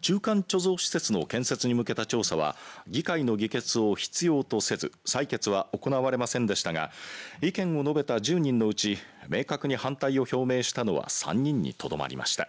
中間貯蔵施設の建設に向けた調査は議会の議決を必要とせず採決は行われませんでしたが意見を述べた１０人のうち明確に反対を表明したのは３人にとどまりました。